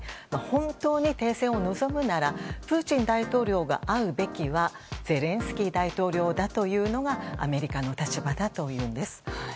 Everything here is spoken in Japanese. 本当に停戦を望むならプーチン大統領が会うべきはゼレンスキー大統領だというのがアメリカの立場だというんです。